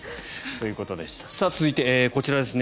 続いて、こちらですね。